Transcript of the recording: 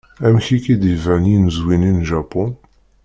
Amek i k-d-iban yinezwi-nni n Japun?